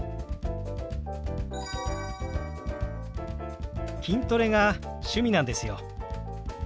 筋トレが趣味なんですよ。